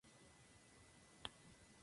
Fue su primera vez ante miles de personas.